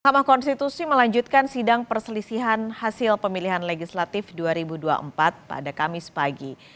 mahkamah konstitusi melanjutkan sidang perselisihan hasil pemilihan legislatif dua ribu dua puluh empat pada kamis pagi